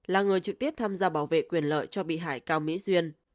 là người trực tiếp tham gia bảo vệ quyền lợi cho bị hại cao mỹ duyên